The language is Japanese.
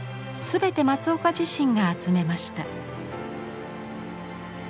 全て松岡自身が集めました。